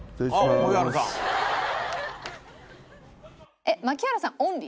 えっ槙原さんオンリー？